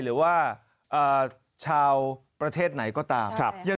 หรือว่าชาวประเทศไหนก็ตาม